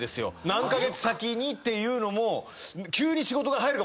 何カ月先にっていうのも。